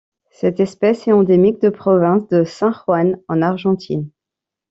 Cette espèce est endémique de province de San Juan en Argentine.